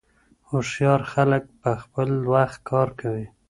هوښیار خلګ په خپل وخت کار کوي.